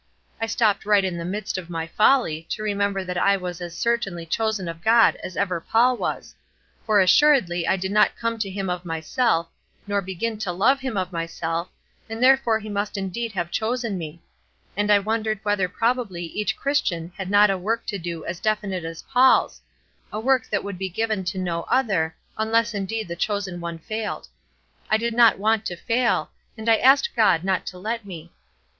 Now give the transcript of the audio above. I stopped right in the midst of my folly to remember that I was as certainly chosen of God as ever Paul was; for assuredly I did not come to him of myself, nor begin to love him of myself, and therefore he must indeed have chosen me; and I wondered whether probably each Christian had not a work to do as definite as Paul's a work that would be given to no other, unless indeed the chosen one failed. I did not want to fail, and I asked God not to let me.